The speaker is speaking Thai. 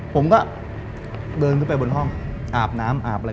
ผมก็เดินขึ้นไปบนห้องอาบน้ำอาบอะไร